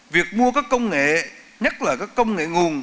việc mua các công nghệ nhất là các công nghệ nguồn